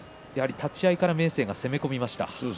立ち合いから明生が攻め込みました。